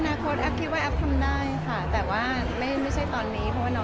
อย่างเรื่องคนแหละอย่างเรื่องการการยาตาของคุณพ่อพี่แม่นะคะ